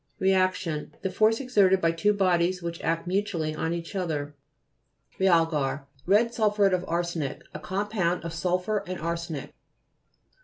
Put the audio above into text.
REACTION The force exerted by two bodies which act mutually on each other. REA'LGAR Red sulphnret of arsenic. A compound of sulphur and ar senic.